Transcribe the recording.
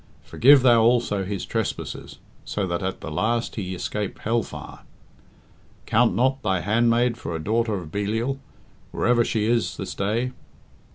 Forgive Thou also his trespasses, so that at the last he escape hell fire. Count not Thy handmaid for a daughter of Belial, wherever she is this day.